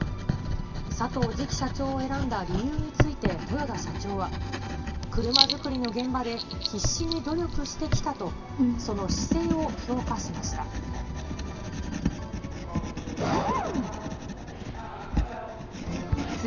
佐藤次期社長を選んだ理由について豊田社長は、車作りの現場で必死に努力してきたと、その姿勢を評価しました。